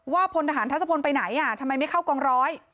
พลทหารทัศพลไปไหนทำไมไม่เข้ากองร้อย